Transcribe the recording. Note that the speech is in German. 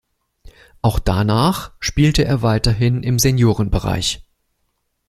Auch danach spielte er weiterhin im Seniorenbereich.